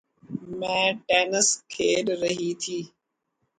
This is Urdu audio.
میں ٹینس کھیل رہی تھی